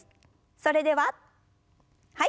それでははい。